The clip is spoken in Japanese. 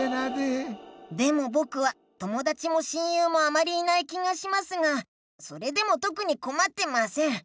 でもぼくは友だちも親友もあまりいない気がしますがそれでもとくにこまってません。